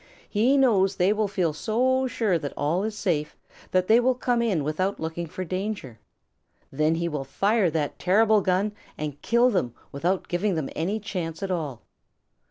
He knows they will feel so sure that all is safe that they will come in without looking for danger. Then he will fire that terrible gun and kill them without giving them any chance at all.